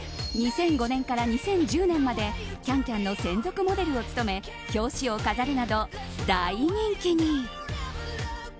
２００５年から２０１０年まで「ＣａｎＣａｍ」の専属モデルを務め表紙を飾るなど、大人気に。